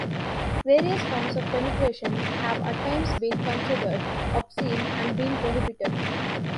Various forms of penetration have at times been considered obscene and been prohibited.